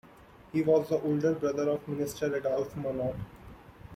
He was the older brother of minister Adolphe Monod.